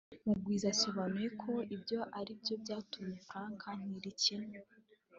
Mugwiza yasobanuye ko ibyo aribyo byatumye Frank Ntilikina